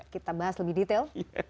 kita bahas lebih detail